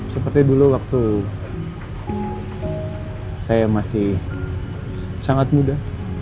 seperti dulu waktu saya masih sangat muda